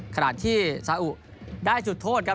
ขณะที่ซาอุได้จุดโทษครับ